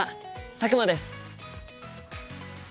佐久間です。